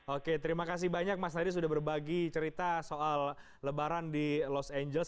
oke terima kasih banyak mas nadie sudah berbagi cerita soal lebaran di los angeles